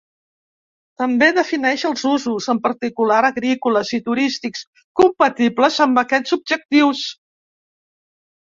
També defineix els usos, en particular agrícoles i turístics compatibles amb aquests objectius.